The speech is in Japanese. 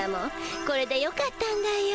これでよかったんだよ。